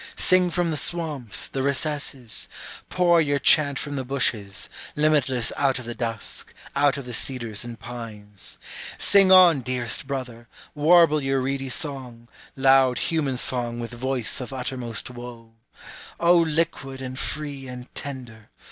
Sing from the swamps, the recesses; pour your chant from the bushes, Limitless out of the dusk, out of the cedars and pines. Sing on, dearest brother, warble your reedy song, Loud human song, with voice of uttermost woe. O liquid and free and tender!